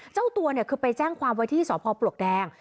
เจ้าตัวคือไปแจ้งความไว้ที่สพปลวกแดง